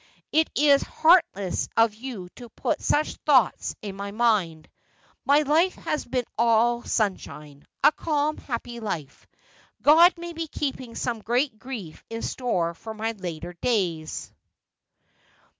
It is heartless of you to put such thoughts into my mind. My life has been all sunshine — a calm happy life. God may be keeping some great grief in store for my later days.